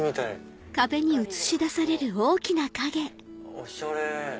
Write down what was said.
おしゃれ！